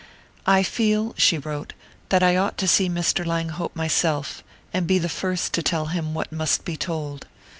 "I feel," she wrote, "that I ought to see Mr. Langhope myself, and be the first to tell him what must be told.